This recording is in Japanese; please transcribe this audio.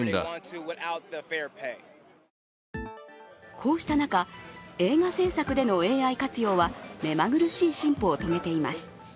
こうした中、映画制作でのＡＩ活用は目まぐるしい進歩を遂げています。